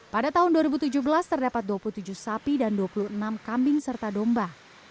pada tahun dua ribu tujuh belas terdapat dua puluh tujuh sapi dan dua puluh enam kambing serta domba